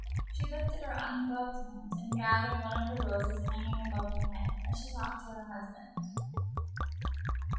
She lifted her ungloved hand and gathered the roses above her head as she talked to her husband.